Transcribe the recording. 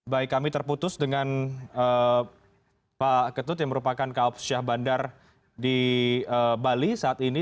baik kami terputus dengan pak ketut yang merupakan kaup syah bandar di bali saat ini